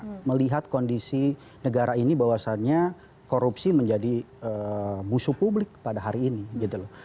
kita melihat kondisi negara ini bahwasannya korupsi menjadi musuh publik pada hari ini gitu loh